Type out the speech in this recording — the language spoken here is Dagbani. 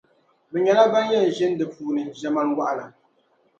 Bɛ nyɛla ban yɛn ʒini di puuni ʒemana waɣila.